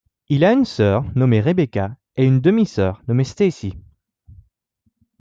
Il a une sœur nommée Rebecca et une demi- sœur nommée Stacy.